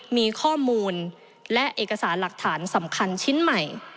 มีข้อมูลและเอกสารหลักฐานสำคัญชิ้นใหม่